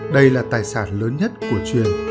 đây là tài sản lớn nhất của truyền